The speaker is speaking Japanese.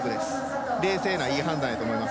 冷静ないい判断やと思います。